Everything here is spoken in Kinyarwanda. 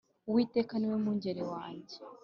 Uwiteka ni we mungeri wanjye